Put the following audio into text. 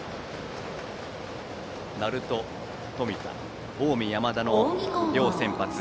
鳴門、冨田近江、山田の両先発。